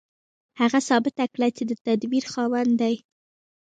هغه ثابته کړه چې د تدبير خاوند دی.